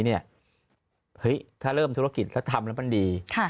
เฮ้ยถ้าเริ่มธุรกิจถ้าทำแล้วมันดี